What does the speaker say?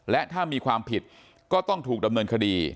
และถ้ามีความผิดก็ต้องถูกดำเนินคดี